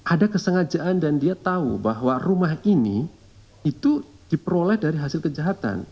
ada kesengajaan dan dia tahu bahwa rumah ini itu diperoleh dari hasil kejahatan